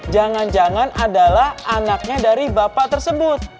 jangan jangan adalah anaknya dari bapak tersebut